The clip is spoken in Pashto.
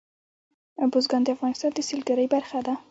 بزګان د افغانستان د سیلګرۍ برخه ده.